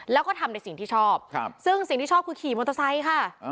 แล้วก็ทำในสิ่งที่ชอบซึ่งสิ่งที่ชอบคือขี่มอเตอร์ไซค์ค่ะ